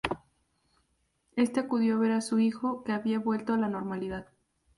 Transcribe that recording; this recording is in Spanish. Éste acudió a ver a su hijo, que había vuelto a la normalidad.